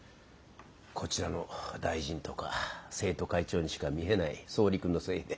こちらの大臣とか生徒会長にしか見えない総理君のせいで。